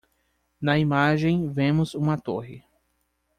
Na imagem vemos uma torre.